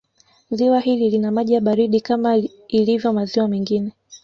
Ziwa hili lina maji ya baridi kama ilivyo maziwa mengine